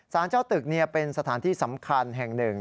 สารเจ้าตึกเป็นสถานที่สำคัญแห่งหนึ่ง